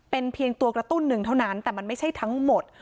เป็นเพียงตัวกระตุ้นหนึ่งเท่านั้นแต่มันไม่ใช่ทั้งหมด